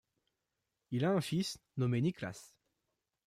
Il a un fils nommé Niklas.